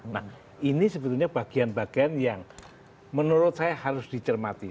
nah ini sebetulnya bagian bagian yang menurut saya harus dicermati